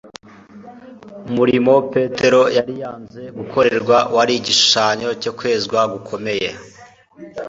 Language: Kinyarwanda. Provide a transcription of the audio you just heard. Umurimo Petero yari yanze gukorerwa wari igishushanyo cyo kwezwa gukomeye.